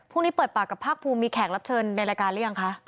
พรุ่งนี้เปิดปากกับภาคภูมิมีแขกรับเชิญในรายการหรือยังคะ